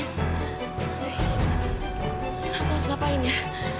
aku harus ngapain ya